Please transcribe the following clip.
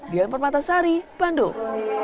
dian permatasari bandung